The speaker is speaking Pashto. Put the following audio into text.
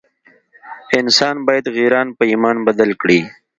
انسان باید غیران په ایمان بدل کړي.